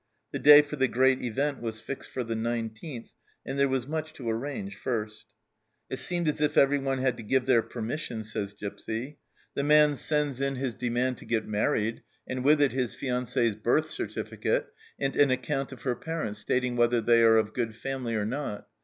The day for the great event was fixed for the nineteenth, and there was much to arrange first. " It seemed as if everyone had to give their per mission," says Gipsy. "The man sends in his 256 THE CELLAR HOUSE OF PERVYSE demand to get married, and with it his fiancee's birth certificate, and an account of her parents, stating whether they are of good family or not.